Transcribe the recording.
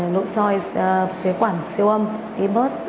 nội soi phế quản siêu âm e birth